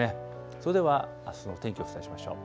それではあすの天気、お伝えしましょう。